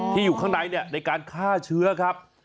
อยู่ข้างในในการฆ่าเชื้อครับ